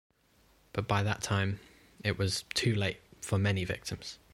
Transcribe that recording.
But by that time, it was too late for many victims.